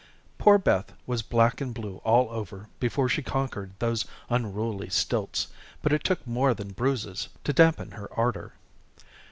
Poor Beth was black and blue all over before she conquered those unruly stilts, but it took more than bruises to dampen her ardor.